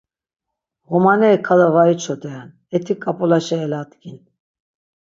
Ğomaneri kada var içoderen, eti k̆ap̆ulaşe eladgin.